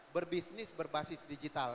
berbisnis berbasis digital